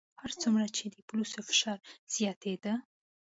هر څومره چې د پولیسو فشار زیاتېدی.